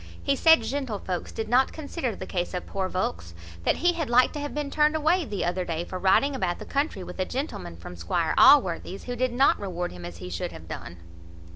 He said, "Gentlevolks did not consider the case of poor volks; that he had like to have been turned away the other day, for riding about the country with a gentleman from Squire Allworthy's, who did not reward him as he should have done."